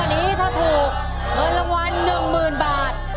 วันนี้ถ้าถูกเงินรางวัล๑๐๐๐บาท